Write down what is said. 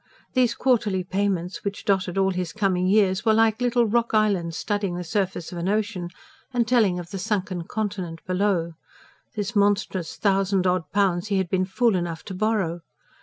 These quarterly payments, which dotted all his coming years, were like little rock islands studding the surface of an ocean, and telling of the sunken continent below: this monstrous thousand odd pounds he had been fool enough to borrow.